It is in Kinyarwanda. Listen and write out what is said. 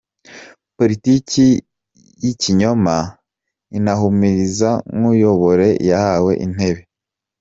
-Politiki y’ikinyoma na humiriza nkuyobore yahawe intebe;